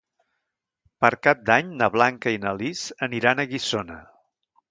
Per Cap d'Any na Blanca i na Lis aniran a Guissona.